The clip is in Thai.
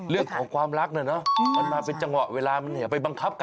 เรื่องของความรักน่ะเนอะมันมาเป็นจังหวะเวลามันอย่าไปบังคับกัน